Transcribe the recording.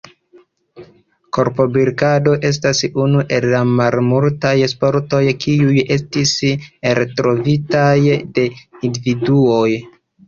Korbopilkado estas unu el la malmultaj sportoj, kiuj estis eltrovitaj de individuo.